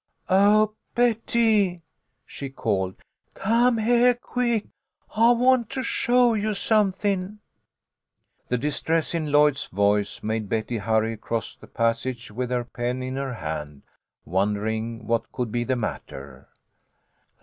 "Oh, Betty!" she called. "Come heah quick! I want to show you something." MOLLY'S STORY. 77 The distress in Lloyd's voice made Betty hurry across the passage with her pen in her hand, wonder ing what could be the matter.